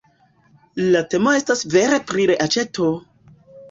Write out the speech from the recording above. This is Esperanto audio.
La temo estas vere pri reaĉeto!